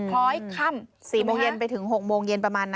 คล้อยค่ำ๔โมงเย็นไปถึง๖โมงเย็นประมาณนั้น